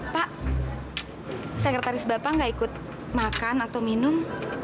pak sekretaris bapak nggak ikut makan atau minum